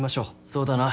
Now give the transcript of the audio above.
そうだな。